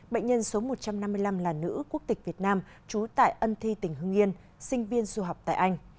bệnh nhân số một trăm năm mươi năm là nữ quốc tịch việt nam trú tại ân thi tỉnh hưng yên sinh viên du học tại anh